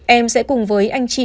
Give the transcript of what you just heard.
em sẽ cùng với anh chị